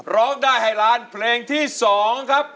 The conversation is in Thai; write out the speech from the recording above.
ร้องได้ให้ล้านเพลงที่๒ครับ